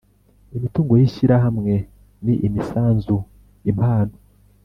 Imitungo y ishyirahamwe ni imisanzu Impano